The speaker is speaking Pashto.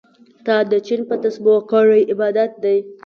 تا د چين په تسبو کړی عبادت دی